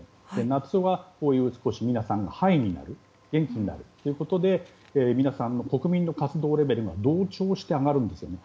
夏は皆さんが少しハイになる元気になるということで皆さん国民の活動レベルが同調して上がるんですね。